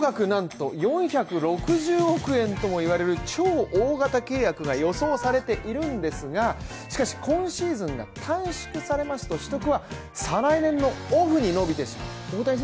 なんと４６０億円ともいわれる超大型契約が予想されているんですがしかし、今シーズンが短縮されますと、取得は再来年のオフに伸びてしまう。